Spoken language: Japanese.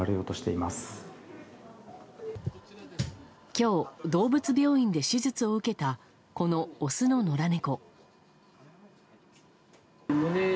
今日、動物病院で手術を受けたこのオスの野良猫。